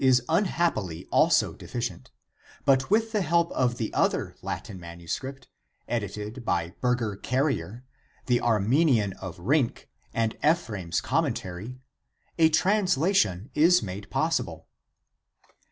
is unhappily also deficient; but with the help of the other Latin MS. edited by Berger Carriere, the Armenian of Rink, and Ephrsem's commentary (ed. Kanajanz Hiibschmann), a translation is made possible.